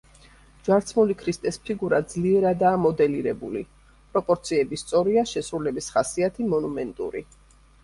ჯვარცმული ქრისტეს ფიგურა ძლიერადაა მოდელირებული, პროპორციები სწორია, შესრულების ხასიათი მონუმენტური.